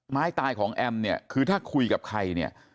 ไม้ตายของแอมเนี่ยคือถ้าคุยกับใครเนี่ย